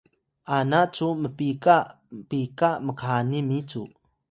ana cu mpika pika mkhani micu